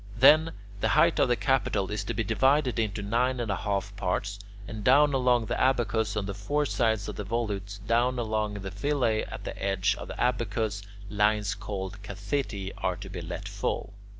Then, the height of the capital is to be divided into nine and a half parts, and down along the abacus on the four sides of the volutes, down along the fillet at the edge of the abacus, lines called "catheti" are to be let fall.